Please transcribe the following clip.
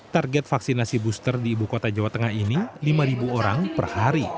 target vaksinasi booster di ibu kota jawa tengah ini lima orang per hari